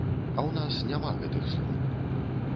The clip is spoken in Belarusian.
А ў нас няма гэтых слоў.